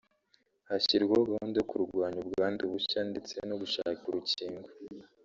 hashyirwaho gahunda yo kurwanya ubwandu bushya ndetse no gushaka urukingo